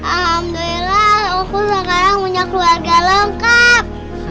alhamdulillah walaupun sekarang punya keluarga lengkap